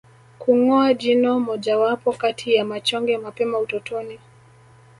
Kungoa jino mojawapo kati ya machonge mapema utotoni